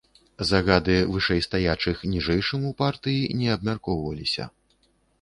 Загады вышэйстаячых ніжэйшым у партыі не абмяркоўваліся.